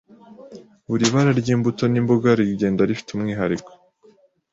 buri bara ry’imbuto n’imboga rigenda rifite umwihariko